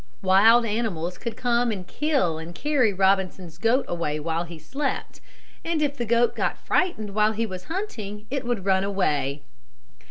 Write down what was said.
Wild animals could come and kill and carry Robinson's goat away while he slept, and if the goat got frightened while he was hunting it would run away.